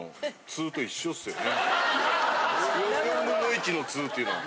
４分の１の「っ」っていうのは。